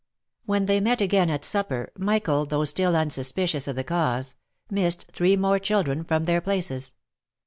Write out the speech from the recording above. When they met again at supper, Michael, though still unsuspicious of the cause, missed three more children from their places.